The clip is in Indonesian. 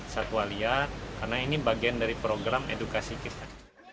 satwa liar karena ini bagian dari program edukasi kita